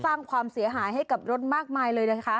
สร้างความเสียหายให้กับรถมากมายเลยนะคะ